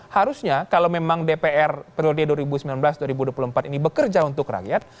harusnya kalau memang dpr periode dua ribu sembilan belas dua ribu dua puluh empat ini bekerja untuk rakyat